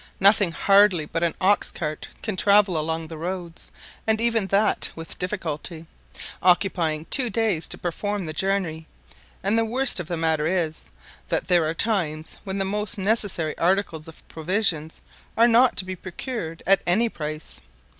Nothing hardly but an ox cart can travel along the roads, and even that with difficulty, occupying two days to perform the journey; and the worst of the matters is, that there are times when the most necessary articles of provisions are not to be procured at any price.